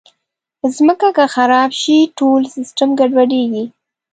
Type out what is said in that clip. مځکه که خراب شي، ټول سیسټم ګډوډېږي.